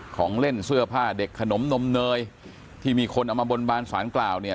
ของเล่นเสื้อผ้าเด็กขนมนมเนยที่มีคนเอามาบนบานสารกล่าวเนี่ย